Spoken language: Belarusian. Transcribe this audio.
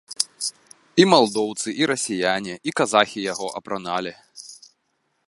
І малдоўцы, і расіяне, і казахі яго апраналі.